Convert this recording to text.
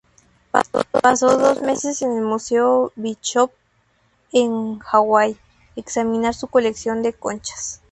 Pasó dos meses en el Museo Bishop en Hawaii examinar su colección de conchas.